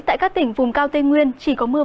tại các tỉnh vùng cao tây nguyên chỉ có mưa